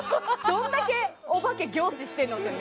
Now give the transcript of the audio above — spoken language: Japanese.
どんだけお化け凝視してるのって。